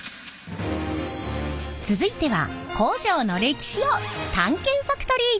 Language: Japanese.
続いては工場の歴史を探検ファクトリー！